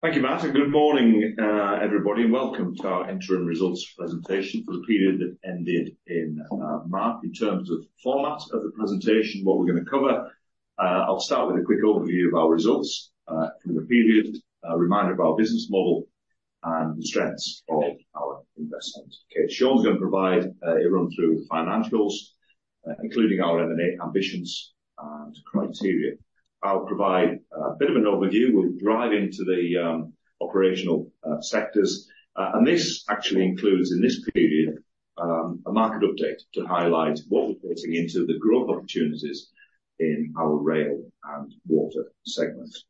Thank you, Matt, and good morning, everybody, and welcome to our interim results presentation for the period that ended in, March. In terms of format of the presentation, what we're gonna cover, I'll start with a quick overview of our results, from the period, a reminder of our business model and the strengths of our investment case. Sean's gonna provide, a run through the financials, including our M&A ambitions and criteria. I'll provide a bit of an overview. We'll dive into the, operational sectors. And this actually includes, in this period, a market update to highlight what we're putting into the growth opportunities in our Rail and Water segments.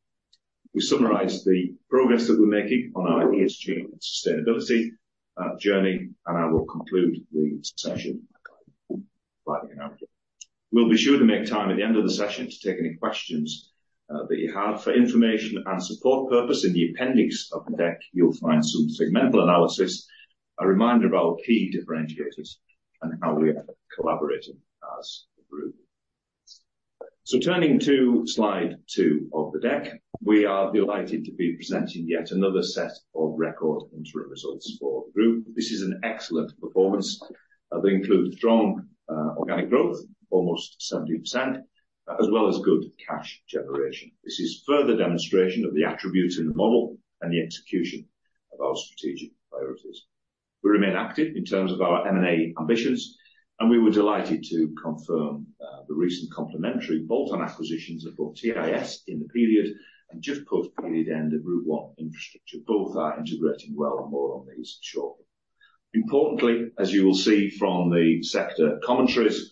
We summarize the progress that we're making on our ESG and sustainability, journey, and I will conclude the session by providing our view. We'll be sure to make time at the end of the session to take any questions that you have. For information and support purpose, in the appendix of the deck, you'll find some segmental analysis, a reminder of our key differentiators, and how we are collaborating as a group. So turning to slide two of the deck, we are delighted to be presenting yet another set of record interim results for the group. This is an excellent performance, that includes strong, organic growth, almost 70%, as well as good cash generation. This is further demonstration of the attributes in the model and the execution of our strategic priorities. We remain active in terms of our M&A ambitions. And we were delighted to confirm the recent complementary bolt-on acquisitions of both TIS in the period and just post-period end, the Route One Infrastructure. Both are integrating well and more on these shortly. Importantly, as you will see from the sector commentaries,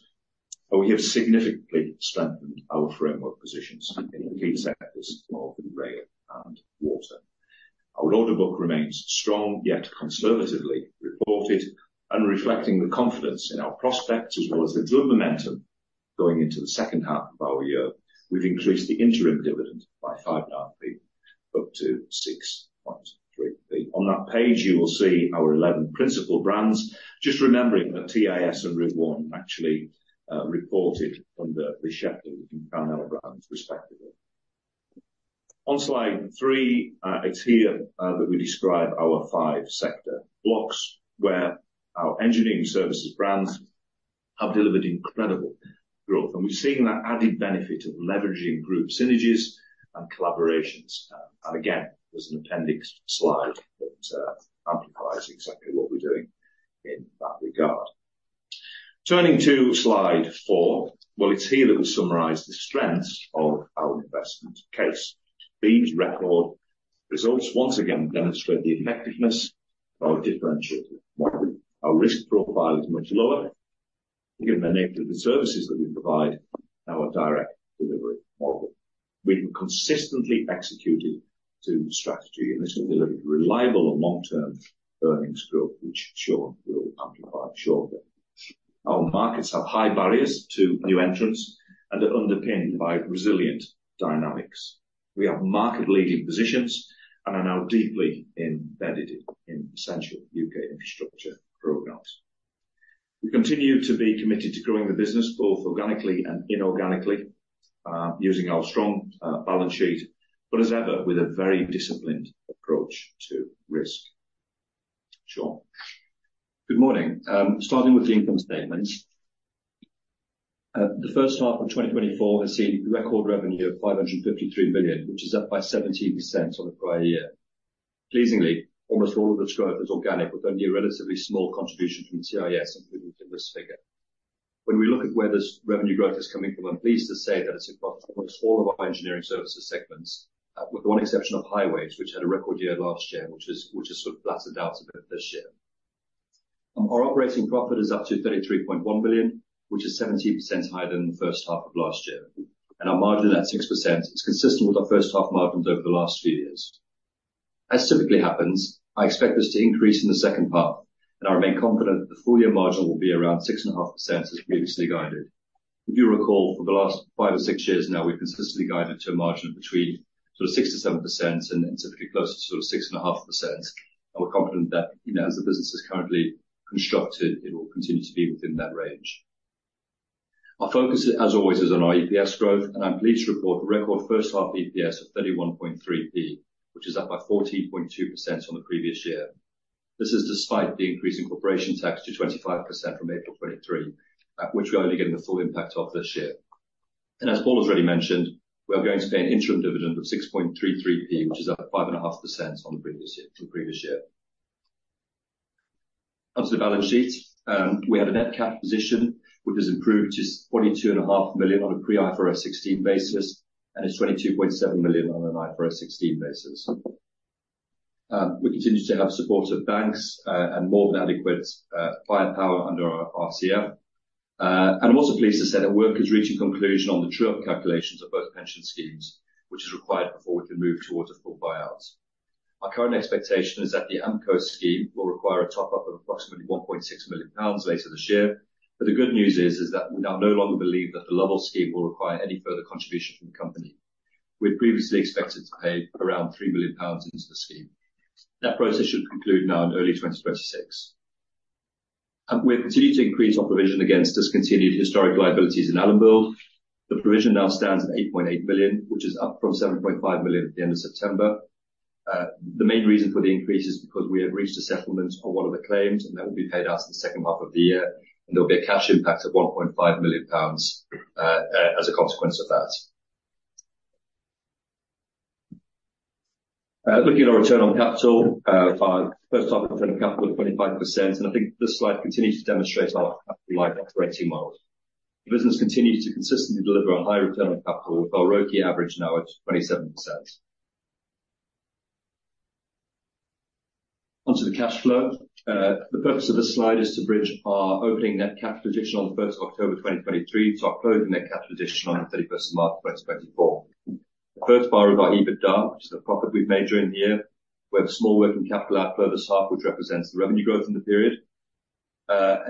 we have significantly strengthened our framework positions in key sectors, more than Rail and Water. Our order book remains strong, yet conservatively reported and reflecting the confidence in our prospects, as well as the good momentum going into the second half of our year. We've increased the interim dividend by 5.5%, up to 0.0633. On that page, you will see our 11 principal brands. Just remembering that TIS and Route One actually reported under the individual brands, respectively. On slide three, it's here that we describe our five sector blocks, where our engineering services brands have delivered incredible growth. And we've seen that added benefit of leveraging group synergies and collaborations. And again, there's an appendix slide that amplifies exactly what we're doing in that regard. Turning to slide four, well, it's here that we summarize the strengths of our investment case. These record results once again demonstrate the effectiveness of our differentiator. Our risk profile is much lower, given the nature of the services that we provide and our direct delivery model. We've consistently executed to the strategy, and this has delivered reliable and long-term earnings growth, which Sean will amplify shortly. Our markets have high barriers to new entrants and are underpinned by resilient dynamics. We have market-leading positions and are now deeply embedded in essential U.K. infrastructure programs. We continue to be committed to growing the business, both organically and inorganically, using our strong balance sheet. But as ever, with a very disciplined approach to risk. Sean? Good morning. Starting with the income statement, the first half of 2024 has seen record revenue of 553 million, which is up by 17% on the prior year. Pleasingly, almost all of this growth is organic, with only a relatively small contribution from TIS, including in this figure. When we look at where this revenue growth is coming from, I'm pleased to say that it's across almost all of our engineering services segments, with the one exception of highways, which had a record year last year, which has sort of flattered out a bit this year. Our operating profit is up to 33.1 million, which is 17% higher than the first half of last year, and our margin at 6% is consistent with our first half margins over the last few years. As typically happens, I expect this to increase in the second half, and I remain confident that the full-year margin will be around 6.5%, as previously guided. If you recall, for the last five years-six years now, we've consistently guided to a margin between sort of 6%-7% and typically closer to sort of 6.5%. And we're confident that, you know, as the business is currently constructed, it will continue to be within that range. Our focus, as always, is on our EPS growth, and I'm pleased to report a record first half EPS of 0.313, which is up by 14.2% on the previous year. This is despite the increase in corporation tax to 25% from April 2023, which we're only getting the full impact of this year. And as Paul has already mentioned, we are going to pay an interim dividend of 0.0633, which is up 5.5% on the previous year. Onto the balance sheet, we have a net cash position, which has improved to 42.5 million on a pre-IFRS 16 basis, and it's 22.7 million on an IFRS 16 basis. We continue to have support of banks, and more than adequate firepower under our RCF. And I'm also pleased to say that work is reaching conclusion on the true-up calculations of both pension schemes, which is required before we can move towards the full buyouts. Our current expectation is that the Amco scheme will require a top-up of approximately 1.6 million pounds later this year. But the good news is, is that we now no longer believe that the Lovell scheme will require any further contribution from the company. We'd previously expected to pay around 3 million pounds into the scheme. That process should conclude now in early 2026. And we continue to increase our provision against discontinued historic liabilities in Allenbuild. The provision now stands at 8.8 million, which is up from 7.5 million at the end of September. The main reason for the increase is because we have reached a settlement on one of the claims, and that will be paid out in the second half of the year, and there'll be a cash impact of 1.5 million pounds as a consequence of that. Looking at our return on capital, our first half return on capital of 25%, and I think this slide continues to demonstrate our operating model. The business continues to consistently deliver on high return on capital, with our ROCE average now at 27%. Onto the cash flow. The purpose of this slide is to bridge our opening net capital position on the 1st of October 2023, to our closing net capital position on the 31st of March 2024. The first bar of our EBITDA, which is the profit we've made during the year, we have a small working capital outflow this half, which represents the revenue growth in the period.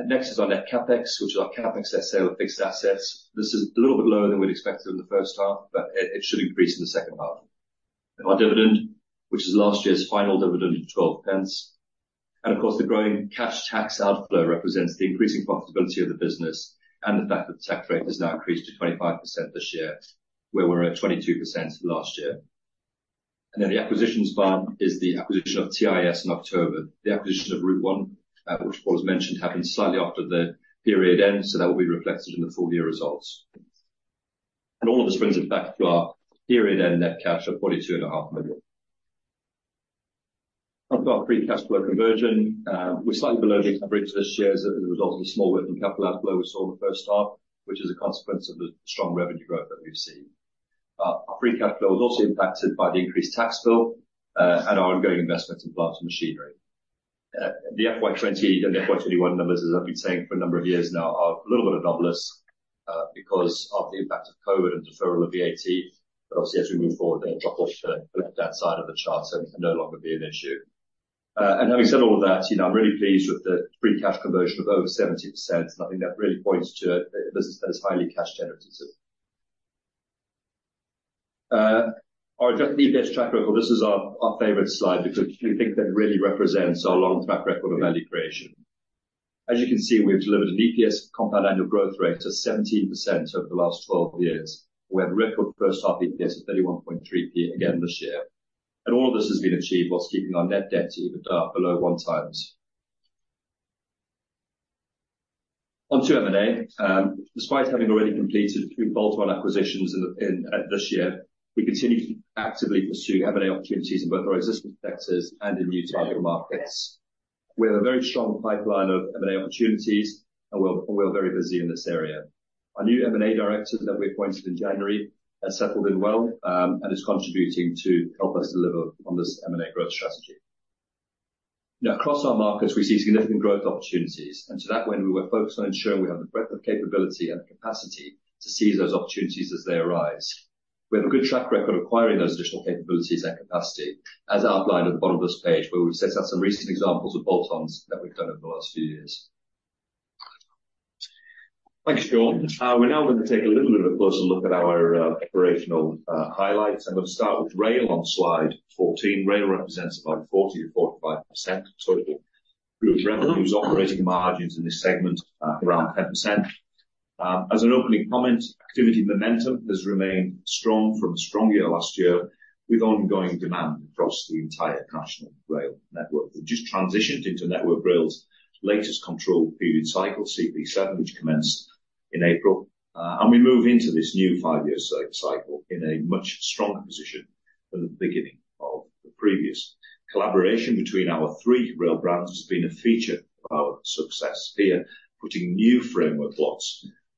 Next is our net CapEx, which is our CapEx less sale of fixed assets. This is a little bit lower than we'd expected in the first half, but it should increase in the second half. Our dividend, which is last year's final dividend of 0.12. And of course, the growing cash tax outflow represents the increasing profitability of the business and the fact that the tax rate has now increased to 25% this year, where we were at 22% last year. All of this brings us back to our period end net cash of GBP 42.5 million. On to our free cash flow conversion, we're slightly below the average this year as a result of the small working capital outflow we saw in the first half, which is a consequence of the strong revenue growth that we've seen. Our free cash flow was also impacted by the increased tax bill, and our ongoing investment in plants and machinery. The FY 2020 and FY 2021 numbers, as I've been saying for a number of years now, are a little bit anomalous, because of the impact of COVID and deferral of VAT. But obviously, as we move forward, they drop off the left-hand side of the chart and no longer be an issue. And having said all of that, you know, I'm really pleased with the free cash conversion of over 70%, and I think that really points to a business that is highly cash generative. Our adjusted EPS track record, this is our favorite slide because we think that really represents our long track record of value creation. As you can see, we've delivered an EPS compound annual growth rate to 17% over the last 12 years. We have a record first half EPS of 0.313 again this year. And all of this has been achieved whilst keeping our net debt to EBITDA below 1x. Onto M&A. Despite having already completed three bolt-on acquisitions in this year, we continue to actively pursue M&A opportunities in both our existing sectors and in new target markets. We have a very strong pipeline of M&A opportunities, and we're very busy in this area. Our new M&A director that we appointed in January has settled in well, and is contributing to help us deliver on this M&A growth strategy. Now, across our markets, we see significant growth opportunities. And to that end, we are focused on ensuring we have the breadth of capability and the capacity to seize those opportunities as they arise. We have a good track record of acquiring those additional capabilities and capacity, as outlined at the bottom of this page, where we've set out some recent examples of bolt-ons that we've done over the last few years. Thanks, Sean. We're now going to take a little bit of a closer look at our operational highlights. I'm going to start with Rail on slide 14. Rail represents about 40%-45% of total group revenue, with operating margins in this segment at around 10%. As an opening comment, activity momentum has remained strong from a strong year last year, with ongoing demand across the entire national rail network. We've just transitioned into Network Rail's latest control period cycle, CP7, which commenced in April. And we move into this new five-year cycle in a much stronger position than the beginning of the previous. Collaboration between our three rail brands has been a feature of our success here, putting new framework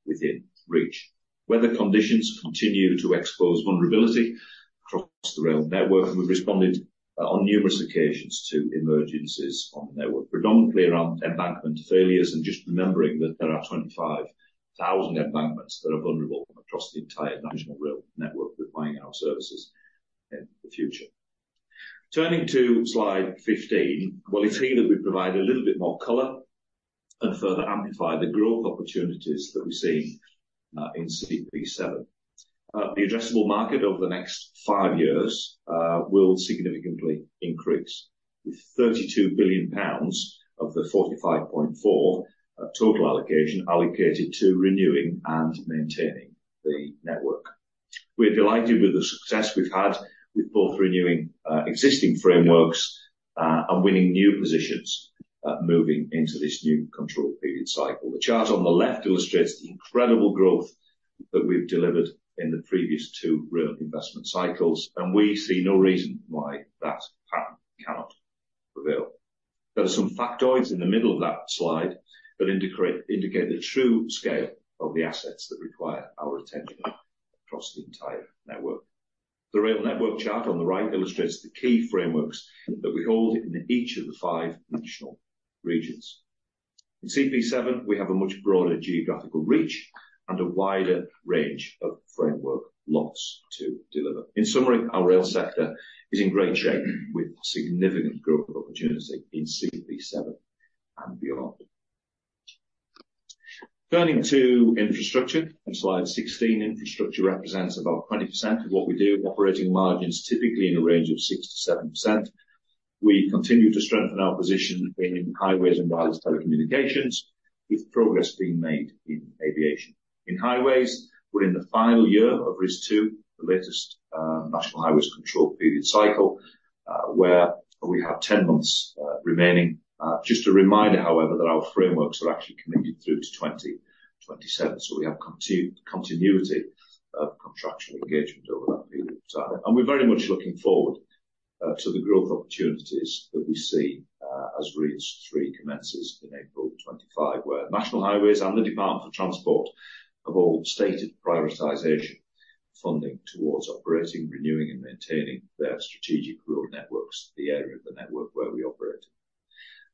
plots within reach. Weather conditions continue to expose vulnerability across the rail network. We've responded on numerous occasions to emergencies on the network. Predominantly around embankment failures, and just remembering that there are 25,000 embankments that are vulnerable across the entire national rail network, deploying our services in the future. Turning to slide 15, well, here we provide a little bit more color and further amplify the growth opportunities that we see in CP7. The addressable market over the next five years will significantly increase, with GBP 32 billion of the 45.4 billion total allocation allocated to renewing and maintaining the network. We're delighted with the success we've had with both renewing existing frameworks and winning new positions moving into this new control period cycle. The chart on the left illustrates the incredible growth that we've delivered in the previous two rail investment cycles, and we see no reason why that pattern cannot prevail. There are some factoids in the middle of that slide that indicate the true scale of the assets that require our attention across the entire network. The rail network chart on the right illustrates the key frameworks that we hold in each of the five national regions. In CP7, we have a much broader geographical reach and a wider range of framework lots to deliver. In summary, our Rail sector is in great shape, with significant growth opportunity in CP7 and beyond. Turning to Infrastructure on slide 16, Infrastructure represents about 20% of what we do. Operating margins typically in the range of 6%-7%. We continue to strengthen our position in highways and wireless telecommunications, with progress being made in aviation. In highways, we're in the final year of RIS2, the latest national highways control period cycle, where we have 10 months remaining. Just a reminder, however, that our frameworks are actually committed through to 2027. So we have continuity of contractual engagement over that period of time. And we're very much looking forward to the growth opportunities that we see as RIS3 commences in April 2025, where National Highways and the Department for Transport have all stated prioritization funding towards operating, renewing, and maintaining their strategic road networks, the area of the network where we operate.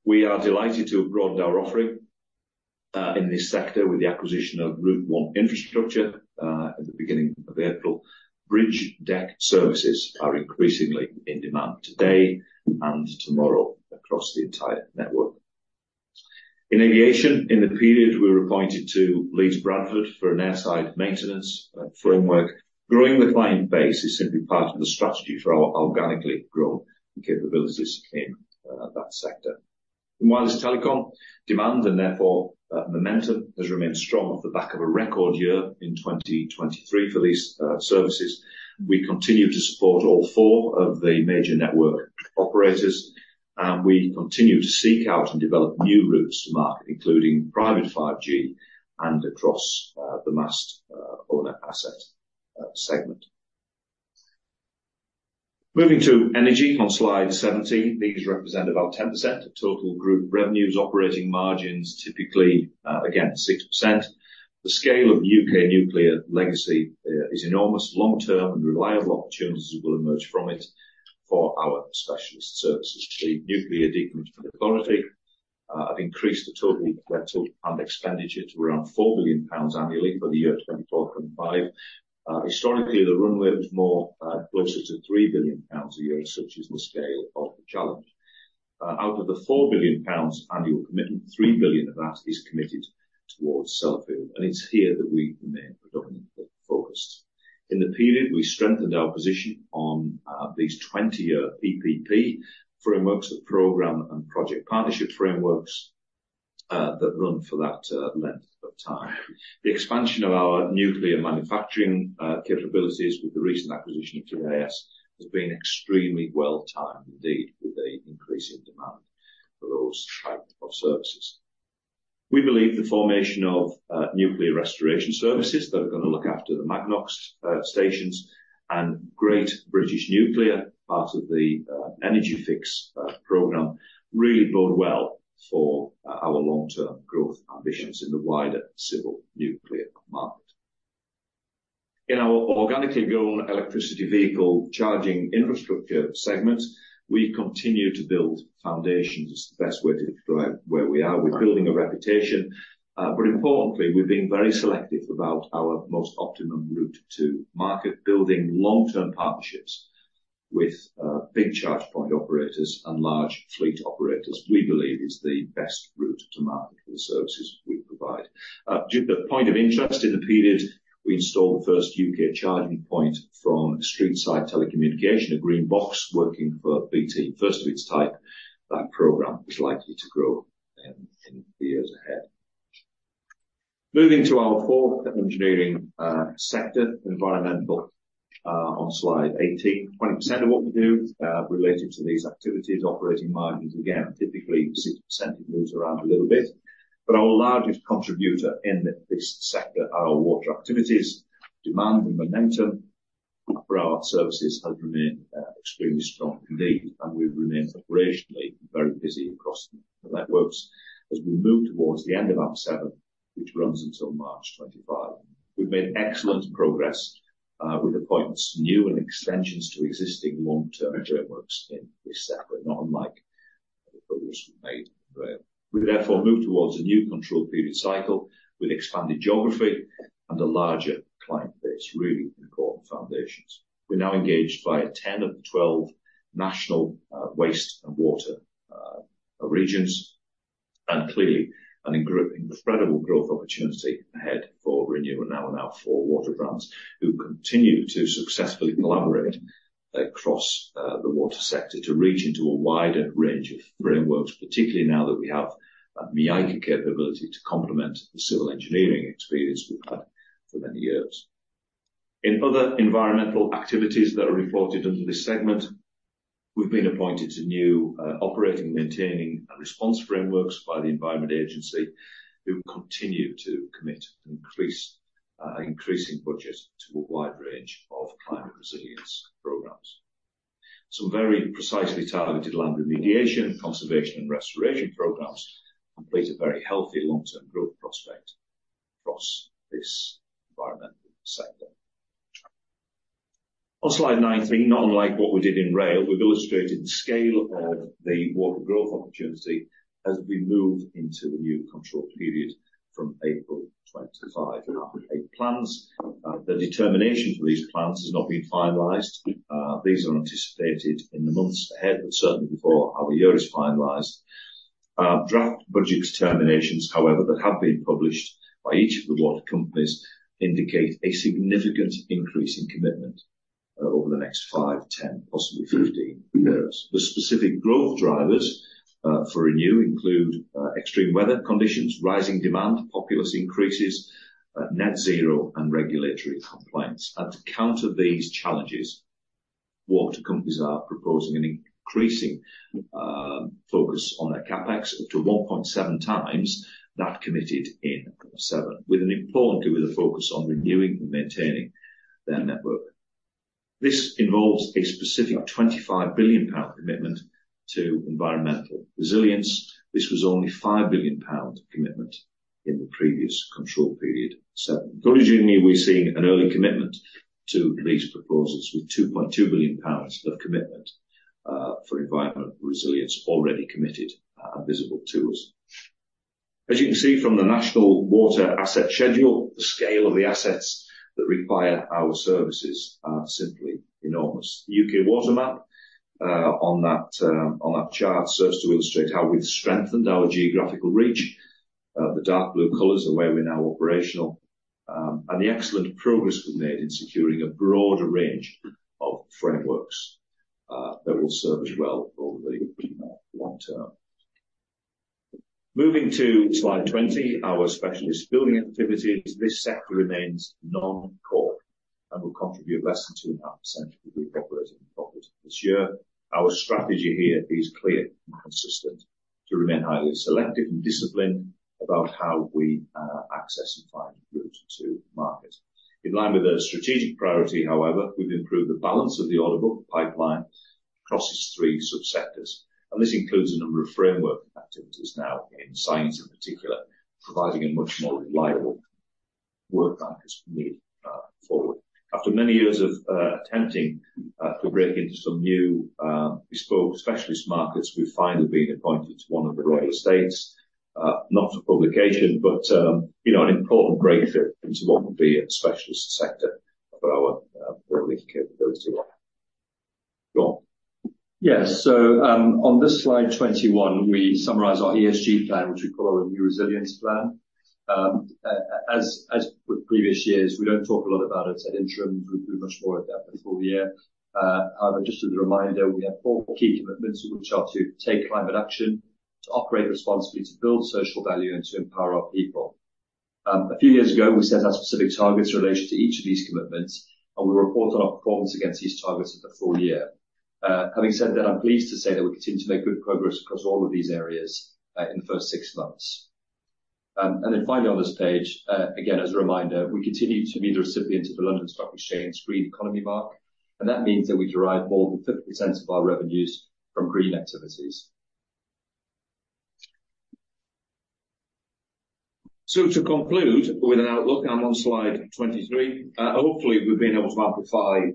We are delighted to have broadened our offering in this sector with the acquisition of Route One Infrastructure at the beginning of April. Bridge deck services are increasingly in demand today and tomorrow across the entire network. In aviation, in the period, we were appointed to Leeds Bradford for an airside maintenance framework. Growing the client base is simply part of the strategy for our organically grown capabilities in that sector. In wireless telecom, demand and therefore momentum has remained strong off the back of a record year in 2023 for these services. We continue to support all four of the major network operators, and we continue to seek out and develop new routes to market, including private 5G and across the mast owner asset segment. Moving to Energy on slide 17, these represent about 10% of total group revenues. Operating margins, typically again, 6%. The scale of U.K. nuclear legacy is enormous. Long-term and reliable opportunities will emerge from it for our specialist services team. Nuclear Decommissioning Authority have increased the total capital and expenditure to around 4 billion pounds annually for the year 2024 and 2025. Historically, the runway was more closer to 3 billion pounds a year, such is the scale of the challenge. Out of the 4 billion pounds annual commitment, 3 billion of that is committed towards Sellafield, and it's here that we remain predominantly focused. In the period, we strengthened our position on these 20-year PPP frameworks, the Programme and Project Partnership frameworks, that run for that length of time. The expansion of our nuclear manufacturing capabilities with the recent acquisition of TIS has been extremely well-timed indeed, with an increase in demand for those type of services. We believe the formation of Nuclear Restoration Services, that are gonna look after the Magnox stations, and Great British Nuclear, part of the energy fix program, really bode well for our long-term growth ambitions in the wider civil nuclear market. In our organically grown electric vehicle charging infrastructure segment, we continue to build foundations. It's the best way to describe where we are. We're building a reputation, but importantly, we're being very selective about our most optimum route to market. Building long-term partnerships with big charge point operators and large fleet operators, we believe is the best route to market for the services we provide. Due to point of interest, in the period, we installed the first U.K. charging point from street-side telecommunication, a green box working for BT. First of its type, that program is likely to grow in the years ahead. Moving to our fourth engineering sector, Environmental, on slide 18. 20% of what we do related to these activities. Operating margins, again, typically 6%. It moves around a little bit, but our largest contributor in this sector are our water activities. Demand and momentum for our services has remained extremely strong indeed, and we've remained operationally very busy across the networks as we move towards the end of AMP7, which runs until March 2025. We've made excellent progress with appointments, new and extensions to existing long-term networks in this sector, not unlike those we made in Rail. We therefore move towards a new control period cycle with expanded geography and a larger client base, really important foundations. We're now engaged by 10 of 12 national waste and water regions, and clearly an incredible growth opportunity ahead for Renew and now for water brands, who continue to successfully collaborate across, the Water sector to reach into a wider range of frameworks, particularly now that we have the MEICA capability to complement the civil engineering experience we've had for many years. In other environmental activities that are reported under this segment, we've been appointed to new, operating, maintaining, and response frameworks by the Environment Agency, who continue to commit an increasing budget to a wide range of climate resilience programs. Some very precisely targeted land remediation, conservation, and restoration programs complete a very healthy long-term growth prospect across this environmental sector. On slide 19, not unlike what we did in Rail, we've illustrated the scale of the water growth opportunity as we move into the new control period from April 2025. Our plans, the determination for these plans has not been finalized. These are anticipated in the months ahead, but certainly before our year is finalized. Draft budget determinations, however, that have been published by each of the water companies, indicate a significant increase in commitment over the next five years, 10 years, possibly 15 years. The specific growth drivers for Renew include extreme weather conditions, rising demand, populace increases, net zero, and regulatory compliance. And to counter these challenges, water companies are proposing an increasing focus on their CapEx up to 1.7x that committed in 7, with importantly, with a focus on renewing and maintaining their network. This involves a specific 25 billion pound commitment to environmental resilience. This was only 5 billion pound commitment in the previous control period. So encouragingly, we're seeing an early commitment to these proposals with 2.2 billion pounds of commitment, for environmental resilience already committed and visible to us. As you can see from the National Water Asset Schedule, the scale of the assets that require our services are simply enormous. The U.K. water map on that chart serves to illustrate how we've strengthened our geographical reach. The dark blue colors are where we're now operational, and the excellent progress we've made in securing a broader range of frameworks, that will serve us well over the long term. Moving to slide 20, our specialist building activities. This sector remains non-core and will contribute less than 2.5% of group operating profit this year. Our strategy here is clear and consistent, to remain highly selective and disciplined about how we access and find routes to market. In line with our strategic priority, however, we've improved the balance of the order book pipeline across its three sub-sectors. And this includes a number of framework activities now in science, in particular, providing a much more reliable work practice for MEICA forward. After many years of attempting to break into some new bespoke specialist markets, we've finally been appointed to one of the royal estates, not for publication, but, you know, an important breakthrough into what will be a specialist sector for our early capability. Sean? Yes, so, on this slide 21, we summarize our ESG plan, which we call Renew Resilience Plan. As with previous years, we don't talk a lot about it at interims. We do much more at the full year. However, just as a reminder, we have four key commitments, which are to take climate action, to operate responsibly, to build social value, and to empower our people. A few years ago, we set out specific targets in relation to each of these commitments, and we report on our performance against these targets at the full year. Having said that, I'm pleased to say that we continue to make good progress across all of these areas, in the first six months. And then finally on this page, again, as a reminder, we continue to be the recipient of the London Stock Exchange Green Economy Mark, and that means that we derive more than 50% of our revenues from green activities. To conclude with an outlook, I'm on slide 23. Hopefully, we've been able to amplify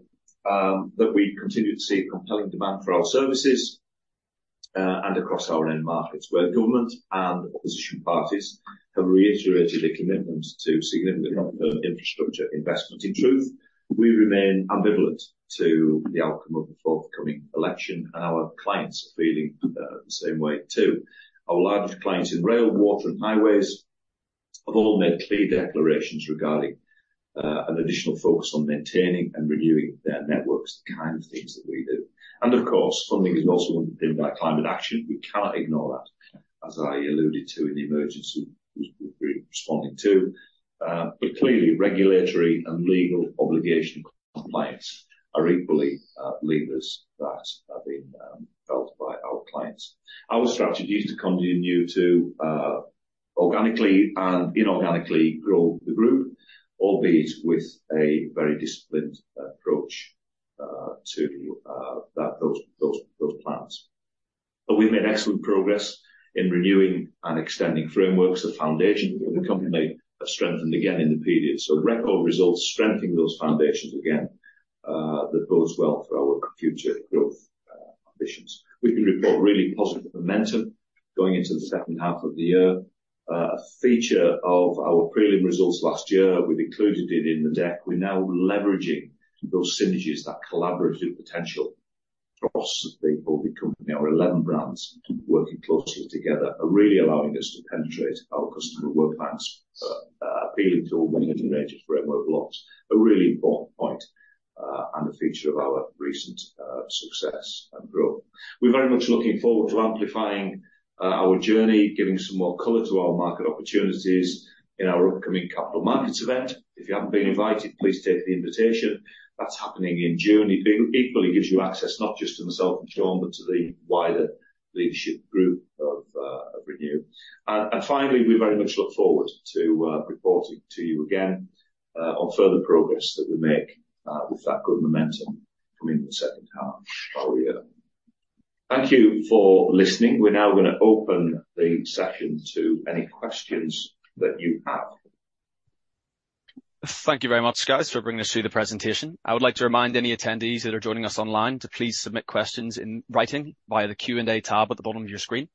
that we continue to see compelling demand for our services and across our end markets, where government and opposition parties have reiterated a commitment to significant infrastructure investment. In truth, we remain ambivalent to the outcome of the forthcoming election, and our clients are feeling the same way, too. Our largest clients in Rail, Water, and Highways have all made clear declarations regarding an additional focus on maintaining and renewing their networks, the kind of things that we do. And of course, funding is also driven by climate action. We cannot ignore that, as I alluded to in the emergency we've been responding to. But clearly, regulatory and legal obligation compliance are equally levers that are being felt by our clients. Our strategy is to continue to organically and inorganically grow the group, albeit with a very disciplined approach to those plans. But we've made excellent progress in renewing and extending frameworks. The foundation of the company have strengthened again in the period, so the record results strengthen those foundations again, that bodes well for our future growth ambitions. We can report really positive momentum going into the second half of the year. A feature of our prelim results last year, we've included it in the deck. We're now leveraging those synergies, that collaborative potential across the company. Our 11 brands working closely together are really allowing us to penetrate our customer work plans, appealing to all the engineering framework blocks, a really important point, and a feature of our recent success and growth. We're very much looking forward to amplifying our journey, giving some more color to our market opportunities in our upcoming Capital Markets event. If you haven't been invited, please take the invitation. That's happening in June. It equally gives you access, not just to myself and Sean, but to the wider leadership group of Renew. And finally, we very much look forward to reporting to you again on further progress that we make with that good momentum coming in the second half of the year. Thank you for listening. We're now gonna open the session to any questions that you have. Thank you very much, guys, for bringing us through the presentation. I would like to remind any attendees that are joining us online to please submit questions in writing via the Q&A tab at the bottom of your screen.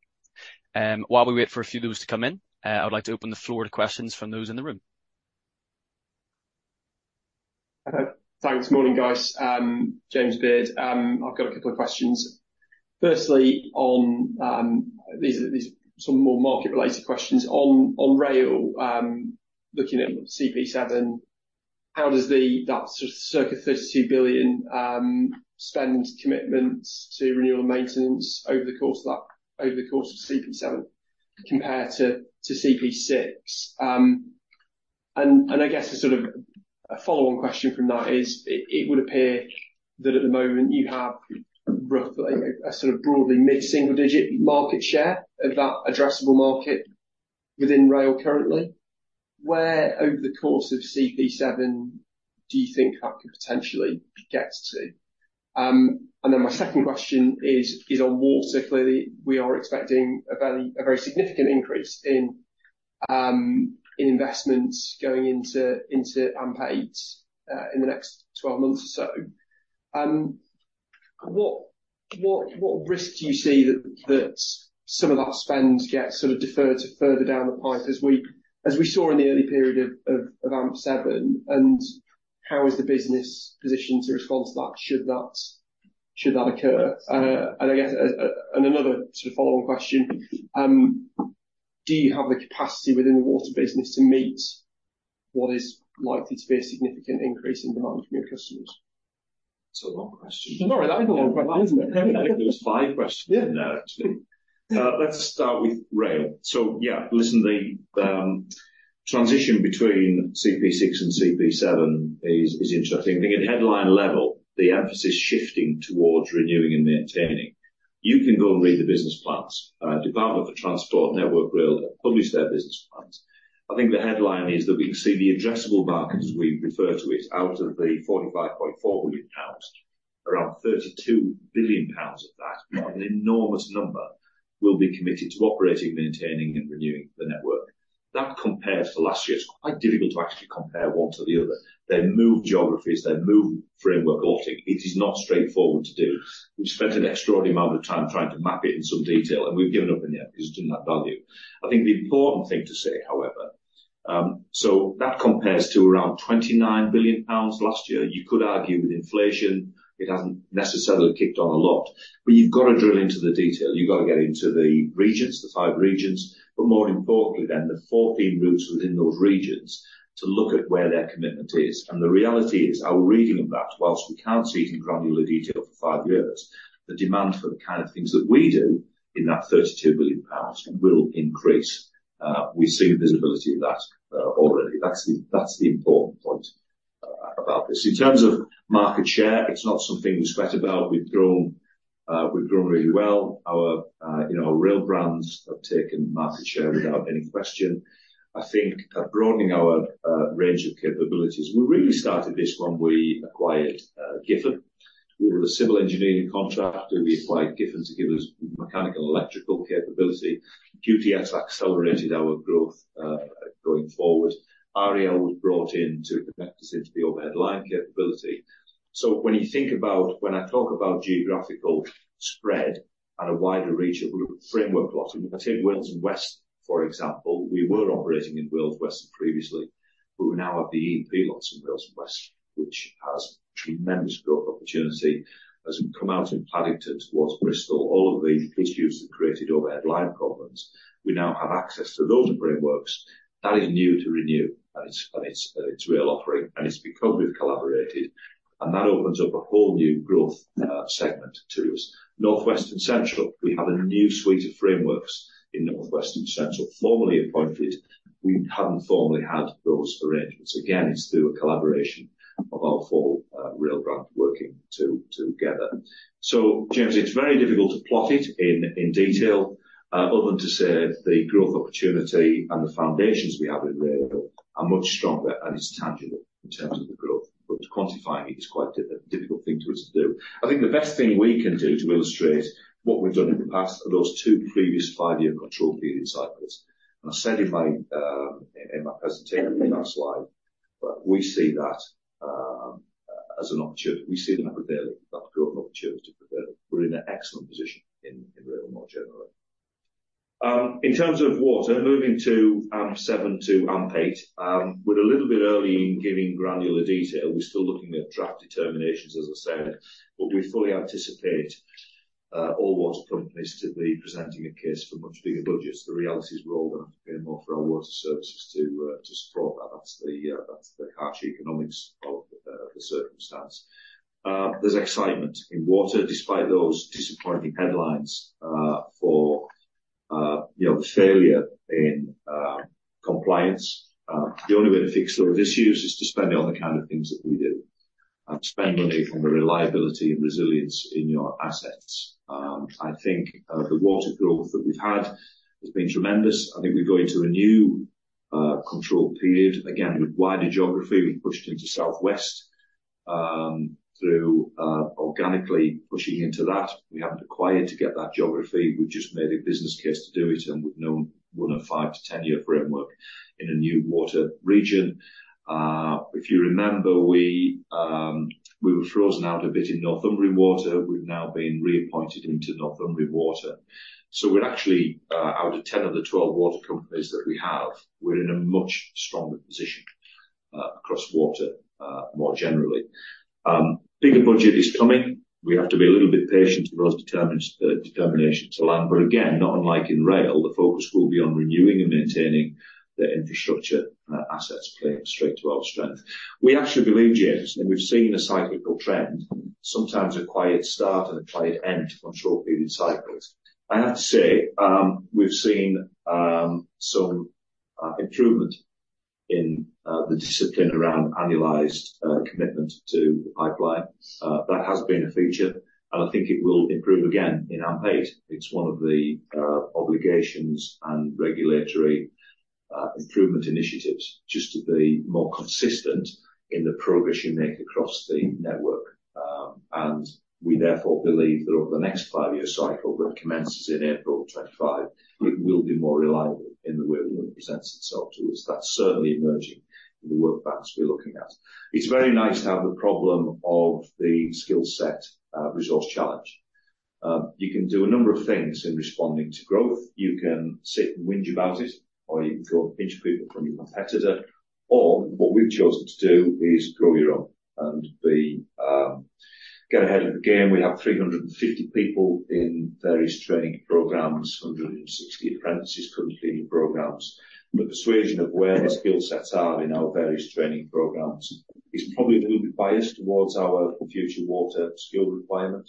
While we wait for a few of those to come in, I would like to open the floor to questions from those in the room. Okay, thanks. Morning, guys. James Beard. I've got a couple of questions. Firstly, on these sort of more market related questions. On rail, looking at CP7, how does that sort of 32 billion spend commitment to renewal and maintenance over the course of that, over the course of CP7 compare to CP6? And I guess a sort of a follow-on question from that is, it would appear that at the moment you have roughly a sort of broadly mid-single digit market share of that addressable market within rail currently. Where, over the course of CP7, do you think that could potentially get to? And then my second question is on Water. Clearly, we are expecting a very significant increase in investments going into AMP8 in the next 12 months or so. What risk do you see that some of that spend get sort of deferred to further down the pipe, as we saw in the early period of AMP7, and how is the business positioned to respond to that, should that occur? And I guess, and another sort of follow-on question, do you have the capacity within the water business to meet what is likely to be a significant increase in demand from your customers? That's a lot of questions. Sorry, that is a lot of questions, isn't it? I think there was five questions in there actually. Yeah. Let's start with rail. So yeah, listen, the transition between CP6 and CP7 is interesting. I think at headline level, the emphasis is shifting towards renewing and maintaining. You can go and read the business plans. Department for Transport Network Rail published their business plans. I think the headline is that we can see the addressable market, as we refer to it, out of the 45.4 billion pounds, around 32 billion pounds of that, an enormous number, will be committed to operating, maintaining and renewing the network. That compared to last year, it's quite difficult to actually compare one to the other. They've moved geographies, they've moved framework auditing. It is not straightforward to do. We've spent an extraordinary amount of time trying to map it in some detail, and we've given up in the end because it didn't add value. I think the important thing to say, however, so that compares to around 29 billion pounds last year. You could argue with inflation, it hasn't necessarily kicked on a lot. But you've got to drill into the detail. You've got to get into the regions, the five regions, but more importantly, then the 14 routes within those regions to look at where their commitment is. And the reality is, our reading of that, whilst we can't see it in granular detail for five years, the demand for the kind of things that we do in that 32 billion pounds will increase. We see the visibility of that already. That's the, that's the important point about this. In terms of market share, it's not something we sweat about. We've grown, we've grown really well. Our, you know, our rail brands have taken market share without any question. I think broadening our range of capabilities, we really started this when we acquired Giffen. We were a civil engineering contractor. We acquired Giffen to give us mechanical and electrical capability. QTS accelerated our growth, going forward. Our REL was brought in to connect us into the overhead line capability. So when you think about, when I talk about geographical spread and a wider reach of group framework lot, if I take Wales and West, for example, we were operating in Wales and West previously. We now have the E&P lots in Wales and West, which has tremendous growth opportunity. As we come out of Paddington towards Bristol, all of the issues that created overhead line problems, we now have access to those frameworks. That is new to Renew, and it's a real offering, and it's because we've collaborated, and that opens up a whole new growth segment to us. North West and Central, we have a new suite of frameworks in North West and Central, formally appointed. We hadn't formally had those arrangements. Again, it's through a collaboration of our four rail brands working together. So James, it's very difficult to plot it in detail, other than to say the growth opportunity and the foundations we have in rail are much stronger. And it's tangible in terms of the growth, but to quantify it is quite difficult thing for us to do. I think the best thing we can do to illustrate what we've done in the past are those two previous five-year control period cycles. I said in my presentation in the last slide, but we see that as an opportunity. We see the AmcoGiffen that growth opportunity for them. We're in an excellent position in rail, more generally. In terms of Water, moving to AMP7 to AMP8, we're a little bit early in giving granular detail. We're still looking at draft determinations, as I said, but we fully anticipate all water companies to be presenting a case for much bigger budgets. The reality is, we're all going to have to pay more for our water services to support that. That's the harsh economics of the circumstance. There's excitement in Water, despite those disappointing headlines for you know, failure in compliance. The only way to fix those issues is to spend it on the kind of things that we do, and spend money from the reliability and resilience in your assets. I think the water growth that we've had has been tremendous. I think we go into a new control period, again, with wider geography. We've pushed into South West through organically pushing into that. We haven't acquired to get that geography. We've just made a business case to do it, and we've known we'll have five-year to 10-year framework in a new water region. If you remember, we were frozen out a bit in Northumbrian Water. We've now been reappointed into Northumbrian Water. So we're actually out of 10 of the 12 water companies that we have, we're in a much stronger position across Water more generally. Bigger budget is coming. We have to be a little bit patient for those determinations to land, but again, not unlike in rail, the focus will be on renewing and maintaining the infrastructure assets, playing straight to our strength. We actually believe, James, and we've seen a cyclical trend, sometimes a quiet start and a quiet end on short period cycles. I have to say, we've seen some improvement in the discipline around annualized commitment to the pipeline. That has been a feature, and I think it will improve again in AMP8. It's one of the obligations and regulatory improvement initiatives, just to be more consistent in the progress you make across the network. And we therefore believe that over the next five-year cycle that commences in April 2025, it will be more reliable in the way it presents itself to us. That's certainly emerging in the work patterns we're looking at. It's very nice to have the problem of the skill set, resource challenge. You can do a number of things in responding to growth. You can sit and whinge about it, or you can go and pinch people from your competitor, or what we've chosen to do is grow your own and be, get ahead of the game. We have 350 people in various training programs, 160 apprentices completing programs. The persuasion of where the skill sets are in our various training programs is probably a little bit biased towards our future water skill requirement.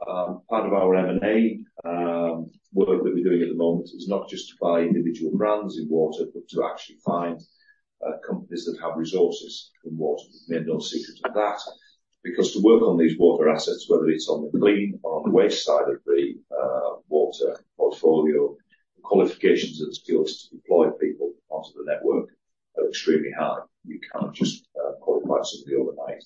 Part of our M&A, work that we're doing at the moment is not just to buy individual brands in Water, but to actually find, companies that have resources in water. We've made no secret of that, because to work on these water assets, whether it's on the clean or on the waste side of the water portfolio, the qualifications and skills to deploy people onto the network are extremely high. You can't just, qualify somebody overnight.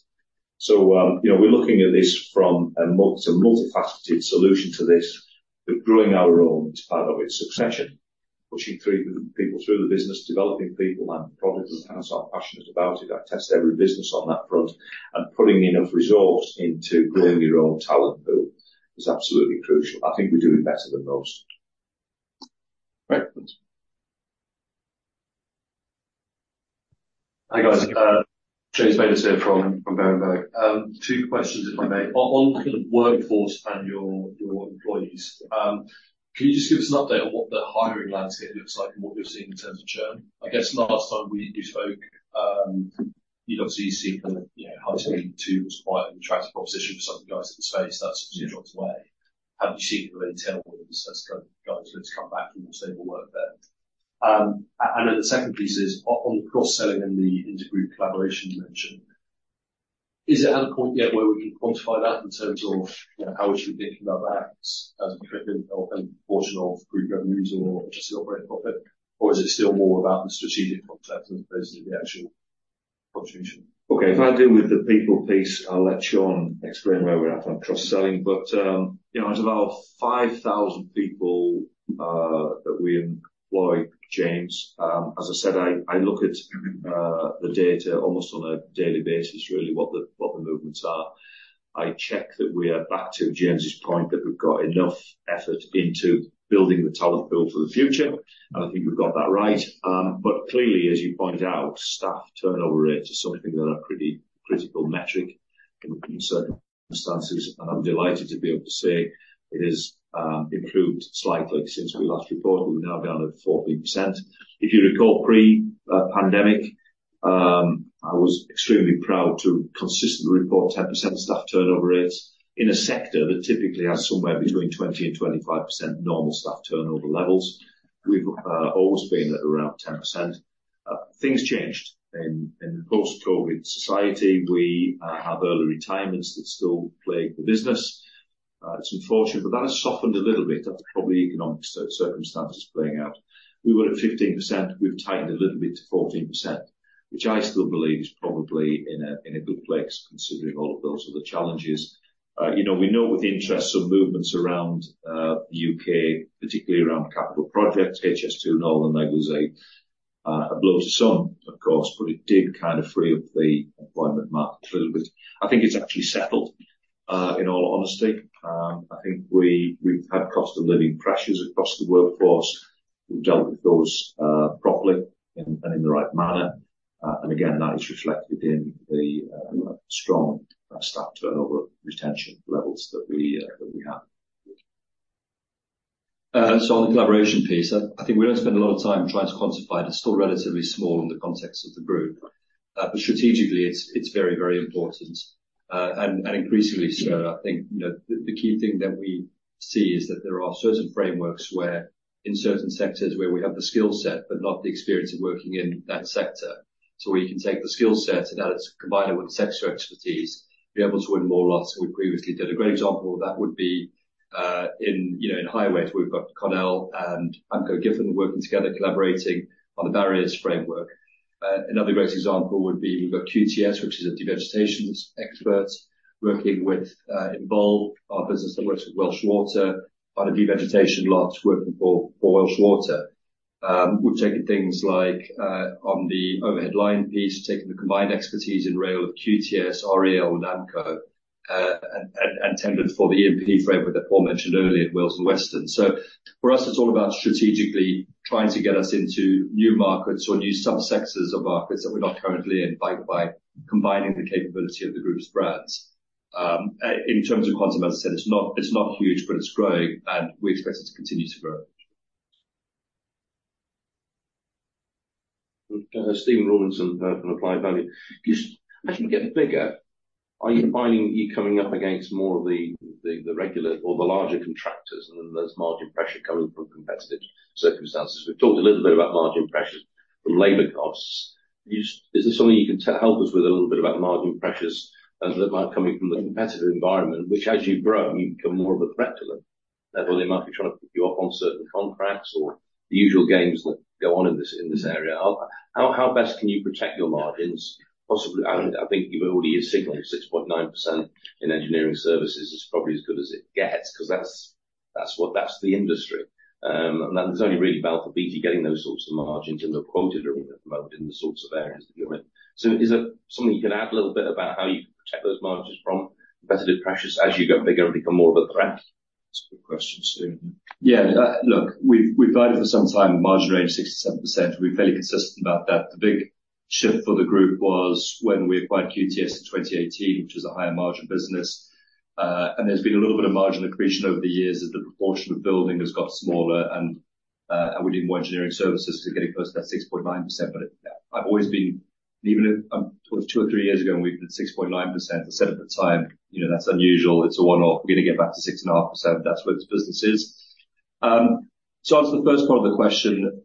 So, you know, we're looking at this from a multi, a multifaceted solution to this, but growing our own is part of it. Succession, pushing through people through the business, developing people, and probably the kind of staff passionate about it. I test every business on that front, and putting enough resource into growing your own talent pool is absolutely crucial. I think we're doing better than most. Great. Hi, guys, James Bayliss here from Berenberg. Two questions, if I may. On the workforce and your employees, can you just give us an update on what the hiring landscape looks like and what you're seeing in terms of churn? I guess last time we spoke, you obviously seen the, you know, High Speed 2 was quite an attractive proposition for some of the guys in the space that's obviously dropped away. Have you seen any tailwinds as kind of guys look to come back and more stable work there? And then the second piece is on the cross-selling and the inter-group collaboration you mentioned. Is it at a point yet where we can quantify that in terms of, you know, how we should be thinking about that as a proportion of group revenues or just operating profit? Or is it still more about the strategic concept as opposed to the actual contribution? Okay, if I deal with the people piece, I'll let Sean explain where we're at on cross-selling. But, you know, out of our 5,000 people that we employ, James, as I said, I look at the data almost on a daily basis, really, what the movements are. I check that we are back to James's point, that we've got enough effort into building the talent pool for the future, and I think we've got that right. But clearly, as you point out, staff turnover rate is something that are pretty critical metric in certain circumstances, and I'm delighted to be able to say it has improved slightly since we last reported. We're now down to 14%. If you recall, pre-pandemic, I was extremely proud to consistently report 10% staff turnover rates in a sector that typically has somewhere between 20%-25% normal staff turnover levels. We've always been at around 10%. Things changed in the post-COVID society. We have early retirements that still plague the business. It's unfortunate, but that has softened a little bit. That's probably economic circumstances playing out. We were at 15%. We've tightened a little bit to 14%, which I still believe is probably in a good place, considering all of those other challenges. You know, we know with the interest of movements around, the U.K., particularly around capital projects, HS2, Northern leg of HS2, a blow to some, of course, but it did kind of free up the employment market a little bit. I think it's actually settled, in all honesty. I think we, we've had cost of living pressures across the workforce. We've dealt with those, properly and, and in the right manner. And again, that is reflected in the, strong staff turnover retention levels that we, that we have. So on the collaboration piece, I think we don't spend a lot of time trying to quantify it. It's still relatively small in the context of the group. But strategically it's very, very important, and increasingly so. I think, you know, the key thing that we see is that there are certain frameworks where in certain sectors where we have the skill set but not the experience of working in that sector. So we can take the skill set and add it, combine it with sector expertise, be able to win more lots than we previously did. A great example of that would be in highways, we've got Carnell and AmcoGiffen working together, collaborating on the barriers framework. Another great example would be, we've got QTS, which is a revegetation expert, working with Envolve, our business that works with Welsh Water on a revegetation lot, working for Welsh Water. We've taken things like on the overhead line piece, taking the combined expertise in rail with QTS, REL, and AmcoGiffen, and tendered for the E&P framework that Paul mentioned earlier at Wales and West. So for us, it's all about strategically trying to get us into new markets or new subsectors of markets that we're not currently in, by combining the capability of the group's brands. In terms of quantum, as I said, it's not, it's not huge, but it's growing, and we expect it to continue to grow. Stephen Rawlinson from Applied Value. As you get bigger, are you finding you're coming up against more of the regular or the larger contractors, and then there's margin pressure coming from competitive circumstances? We've talked a little bit about margin pressures from labor costs. Is there something you can help us with a little bit about margin pressures as they might coming from the competitive environment, which, as you grow, you become more of a threat to them? And well, they might be trying to pick you off on certain contracts or the usual games that go on in this area. How best can you protect your margins? Possibly, I think you've already signaled 6.9% in engineering services is probably as good as it gets, 'cause that's the industry. And then there's only really Balfour Beatty, you're getting those sorts of margins, and they're quoted at the moment in the sorts of areas that you're in. So is there something you can add a little bit about how you protect those margins from competitive pressures as you get bigger and become more of a threat? That's a good question, Stephen. Yeah, look, we've guided for some time, margin rate of 6%-7%. We're fairly consistent about that. The big shift for the group was when we acquired QTS in 2018, which is a higher margin business. And there's been a little bit of margin accretion over the years as the proportion of building has got smaller, and we need more engineering services to getting close to that 6.9%. But, yeah, I've always been—even if, towards two years-three years ago, and we've been at 6.9%, I said at the time, "You know, that's unusual. It's a one-off. We're gonna get back to 6.5%. That's where this business is." So as the first part of the question,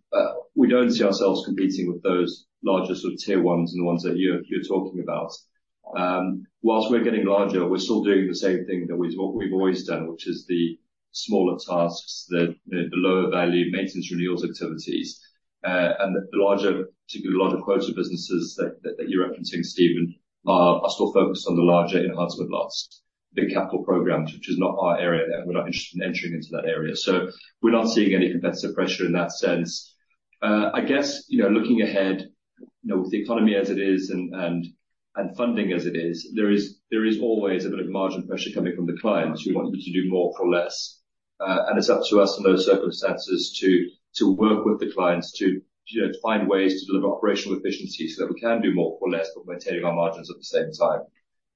we don't see ourselves competing with those larger sort of tier ones and the ones that you're talking about. Whilst we're getting larger, we're still doing the same thing that we've always done, which is the smaller tasks, the lower value maintenance renewals activities. And the larger, particularly larger quota businesses that you're referencing, Stephen, are still focused on the larger enhancement loss, big capital programs, which is not our area, and we're not interested in entering into that area. So we're not seeing any competitive pressure in that sense. I guess, you know, looking ahead, you know, with the economy as it is, and funding as it is, there is always a bit of margin pressure coming from the clients who want you to do more for less. And it's up to us in those circumstances to work with the clients to, you know, to find ways to deliver operational efficiency, so that we can do more for less, but maintaining our margins at the same time.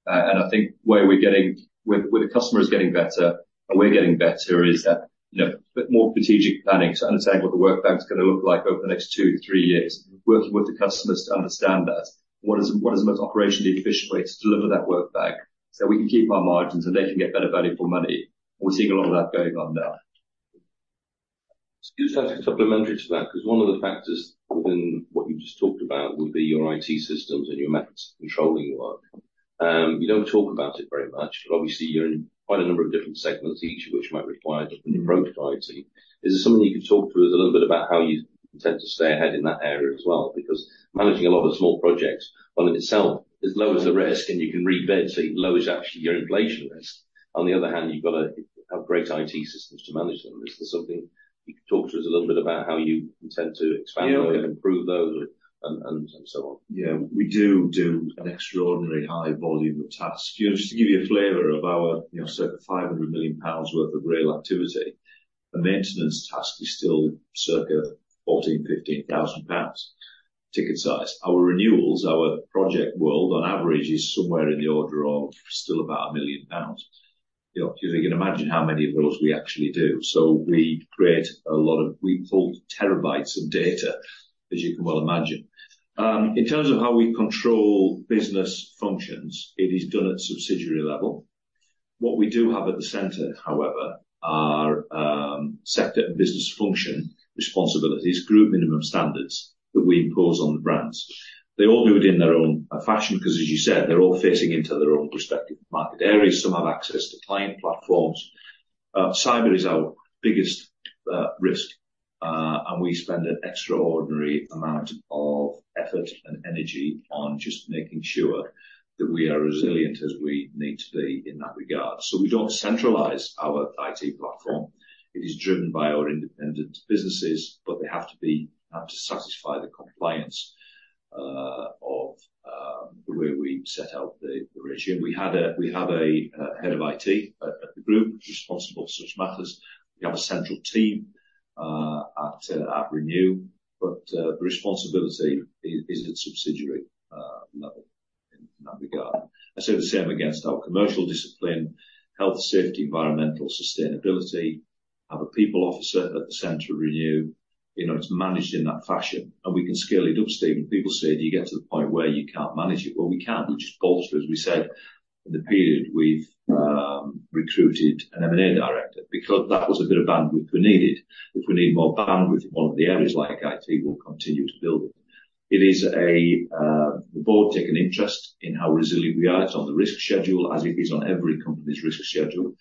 And I think where the customer is getting better and we're getting better is that, you know, a bit more strategic planning to understand what the work bank is gonna look like over the next two to three years. Working with the customers to understand that, what is the most operationally efficient way to deliver that work bank, so we can keep our margins, and they can get better value for money. We're seeing a lot of that going on now. Just something supplementary to that, because one of the factors within what you just talked about would be your IT systems and your methods of controlling your work. You don't talk about it very much, but obviously, you're in quite a number of different segments, each of which might require a different approach to IT. Is there something you can talk to us a little bit about how you intend to stay ahead in that area as well? Because managing a lot of the small projects in itself is low as a risk, and you can rebid, so it lowers actually your inflation risk. On the other hand, you've got to have great IT systems to manage them. Is there something you can talk to us a little bit about how you intend to expand those and improve those and so on? Yeah. We do an extraordinarily high volume of tasks. Just to give you a flavor of our, you know, circa 500 million pounds worth of rail activity, a maintenance task is still circa 14,000-15,000 pounds ticket size. Our renewals, our project world, on average, is somewhere in the order of still about 1 million pounds. You know, so you can imagine how many of those we actually do. So we create a lot of, we pull terabytes of data, as you can well imagine. In terms of how we control business functions, it is done at subsidiary level. What we do have at the center, however, are sector and business function responsibilities, group minimum standards that we impose on the brands. They all do it in their own fashion, because, as you said, they're all facing into their own prospective market areas. Some have access to client platforms. Cyber is our biggest risk, and we spend an extraordinary amount of effort and energy on just making sure that we are as resilient as we need to be in that regard. So we don't centralize our IT platform. It is driven by our independent businesses, but they have to satisfy the compliance of the way we set out the regime. We have a head of IT at the group, responsible for such matters. We have a central team at Renew, but the responsibility is at subsidiary level in that regard. I say the same against our commercial discipline, health, safety, environmental, sustainability. Have a people officer at the center of Renew, you know, it's managed in that fashion, and we can scale it up, Stephen. People say, "Do you get to the point where you can't manage it?" Well, we can. We just bolster, as we said, in the period, we've recruited an M&A director because that was a bit of bandwidth we needed. If we need more bandwidth in one of the areas, like IT, we'll continue to build it. It is a, the board take an interest in how resilient we are. It's on the risk schedule, as it is on every company's risk schedule.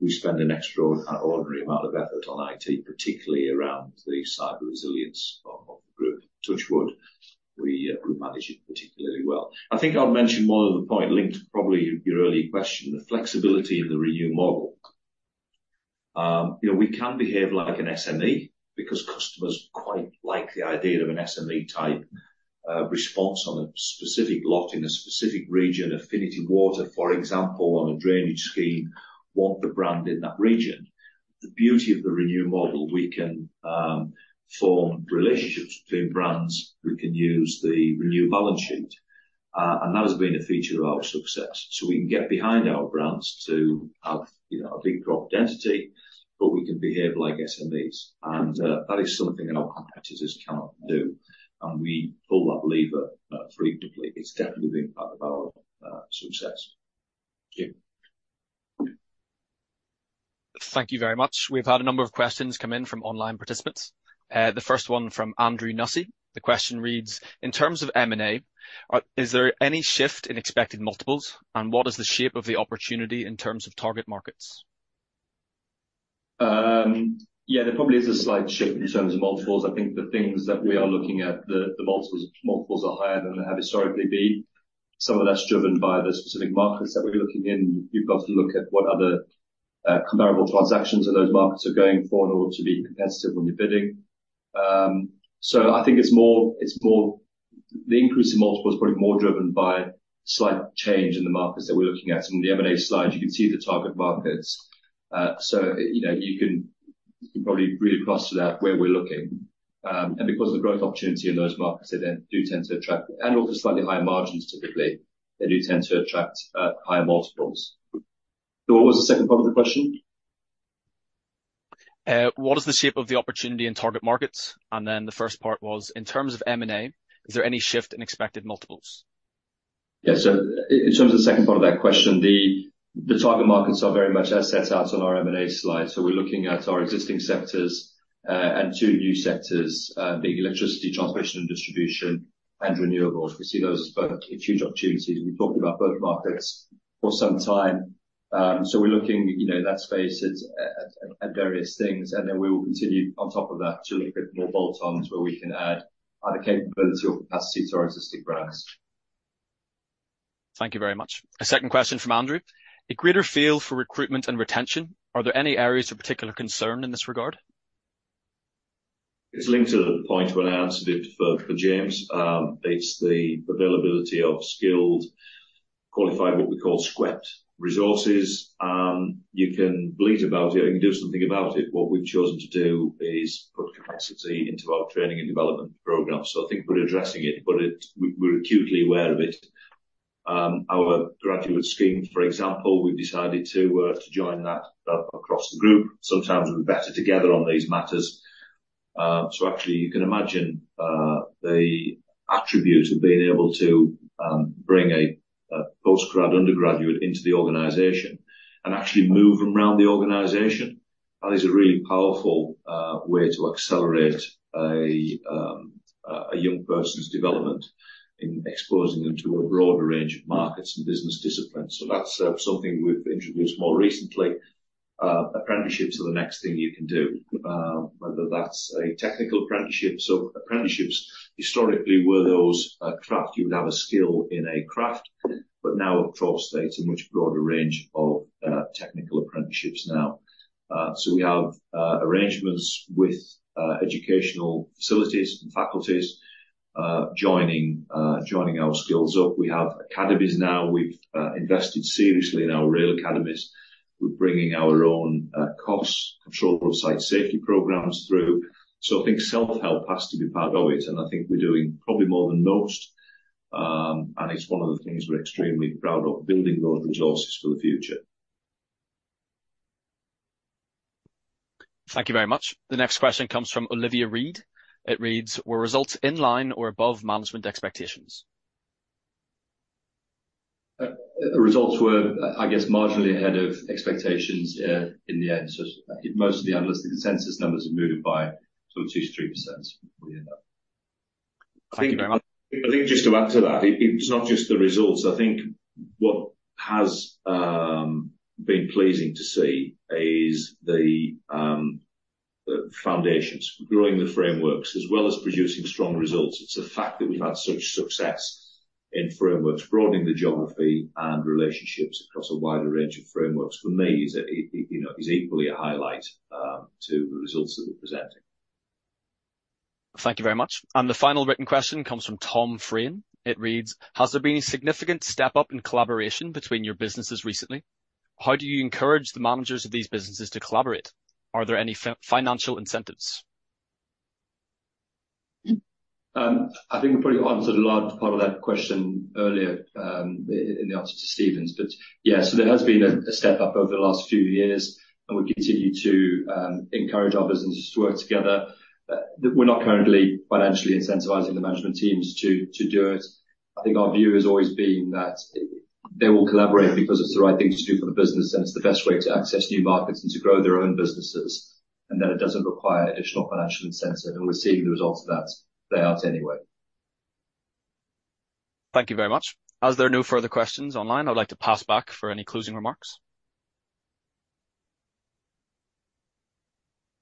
We spend an extraordinary amount of effort on IT, particularly around the cyber resilience of group, touch wood, we, we manage it particularly well. I think I'll mention one other point linked to probably your earlier question, the flexibility of the Renew model. You know, we can behave like an SME because customers quite like the idea of an SME type response on a specific lot in a specific region. Affinity Water, for example, on a drainage scheme, want the brand in that region. The beauty of the Renew model, we can form relationships between brands. We can use the Renew balance sheet, and that has been a feature of our success. So we can get behind our brands to have, you know, a deep drop density, but we can behave like SMEs, and that is something that our competitors cannot do, and we pull that lever frequently. It's definitely been part of our success. Thank you. Thank you very much. We've had a number of questions come in from online participants. The first one from Andrew Nussey. The question reads: In terms of M&A, is there any shift in expected multiples, and what is the shape of the opportunity in terms of target markets? Yeah, there probably is a slight shift in terms of multiples. I think the things that we are looking at, the multiples are higher than they have historically been. Some of that's driven by the specific markets that we're looking in. You've got to look at what other comparable transactions in those markets are going for in order to be competitive when you're bidding. So I think it's more, it's more. The increase in multiples is probably more driven by slight change in the markets that we're looking at. On the M&A slide, you can see the target markets. So, you know, you can probably read across to that, where we're looking. And because of the growth opportunity in those markets, they then do tend to attract, and also slightly higher margins, typically, they do tend to attract, higher multiples. So what was the second part of the question? What is the shape of the opportunity in target markets? And then the first part was, in terms of M&A, is there any shift in expected multiples? Yeah. So in terms of the second part of that question, the target markets are very much as set out on our M&A slide. So we're looking at our existing sectors, and two new sectors, being electricity transmission and distribution, and renewables. We see those as both huge opportunities. We've talked about both markets for some time. So we're looking, you know, at that space at various things, and then we will continue on top of that to look at more bolt-ons, where we can add either capability or capacity to our existing brands. Thank you very much. A second question from Andrew: A greater feel for recruitment and retention, are there any areas of particular concern in this regard? It's linked to the point when I answered it for James. It's the availability of skilled, qualified, what we call SQEP resources. You can bleat about it, or you can do something about it. What we've chosen to do is put capacity into our training and development program. So I think we're addressing it, but it... We're acutely aware of it. Our graduate scheme, for example, we've decided to join that across the group. Sometimes we're better together on these matters. So actually, you can imagine the attribute of being able to bring a post-grad undergraduate into the organization and actually move them around the organization. That is a really powerful way to accelerate a young person's development in exposing them to a broader range of markets and business disciplines. So that's something we've introduced more recently. Apprenticeships are the next thing you can do, whether that's a technical apprenticeship. So apprenticeships, historically, were those craft. You would have a skill in a craft, but now across estates, a much broader range of technical apprenticeships now. So we have arrangements with educational facilities and faculties, joining our skills up. We have academies now. We've invested seriously in our rail academies. We're bringing our own COSS, Controller of Site Safety, through. So I think self-help has to be part of it, and I think we're doing probably more than most. And it's one of the things we're extremely proud of, building those resources for the future. Thank you very much. The next question comes from Olivia Reade. It reads: Were results in line or above management expectations? The results were, I guess, marginally ahead of expectations, in the end. So most of the analysts, the consensus numbers have moved by sort of 2%-3% before we end up. Thank you very much. I think just to add to that, it's not just the results. I think what has been pleasing to see is the foundations, growing the frameworks, as well as producing strong results. It's the fact that we've had such success in frameworks, broadening the geography and relationships across a wider range of frameworks, for me, is, you know, is equally a highlight to the results that we're presenting. Thank you very much. The final written question comes from Tom Frayne. It reads: Has there been a significant step up in collaboration between your businesses recently? How do you encourage the managers of these businesses to collaborate? Are there any financial incentives? I think we probably answered a large part of that question earlier, in the answer to Stephen's. But yeah, so there has been a step up over the last few years, and we continue to encourage our businesses to work together. We're not currently financially incentivizing the management teams to do it. I think our view has always been that they will collaborate because it's the right thing to do for the business, and it's the best way to access new markets and to grow their own businesses, and that it doesn't require additional financial incentive, and we're seeing the results of that play out anyway. Thank you very much. As there are no further questions online, I'd like to pass back for any closing remarks.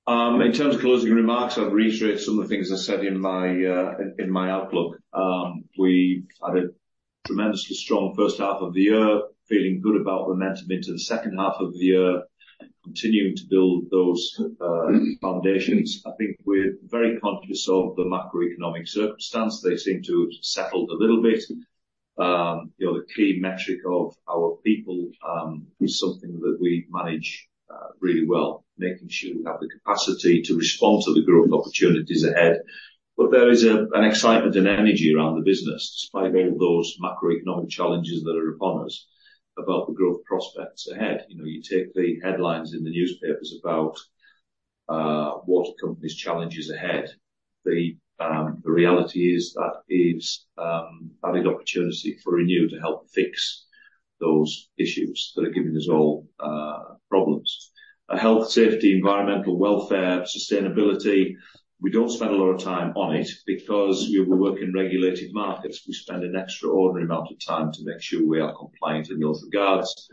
In terms of closing remarks, I'll reiterate some of the things I said in my outlook. We've had a tremendously strong first half of the year, feeling good about momentum into the second half of the year, and continuing to build those foundations. I think we're very conscious of the macroeconomic circumstance. They seem to have settled a little bit. You know, the key metric of our people is something that we manage really well, making sure we have the capacity to respond to the growing opportunities ahead. But there is an excitement and energy around the business, despite all those macroeconomic challenges that are upon us, about the growth prospects ahead. You know, you take the headlines in the newspapers about what companies challenges ahead. The reality is that is added opportunity for Renew to help fix those issues that are giving us all problems. Our health, safety, environmental, welfare, sustainability—we don't spend a lot of time on it, because we work in regulated markets. We spend an extraordinary amount of time to make sure we are compliant in those regards.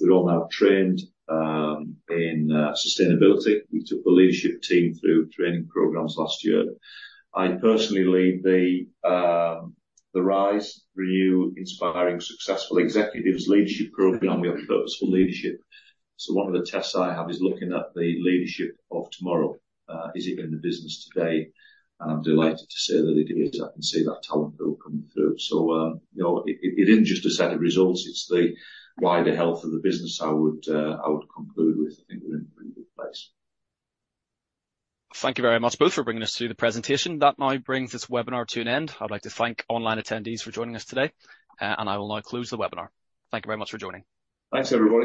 We're all now trained in sustainability. We took the leadership team through training programs last year. I personally lead the RISE, Renew Inspiring Successful Executives leadership program on purposeful leadership. So one of the tasks I have is looking at the leadership of tomorrow. Is it in the business today? And I'm delighted to say that it is. I can see that talent pool coming through. So, you know, it isn't just a set of results, it's the wider health of the business I would conclude with. I think we're in a pretty good place. Thank you very much, both, for bringing us through the presentation. That now brings this webinar to an end. I'd like to thank online attendees for joining us today, and I will now close the webinar. Thank you very much for joining. Thanks, everybody.